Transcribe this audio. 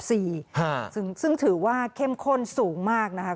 ซึ่งถือว่าเข้มข้นสูงมากนะครับ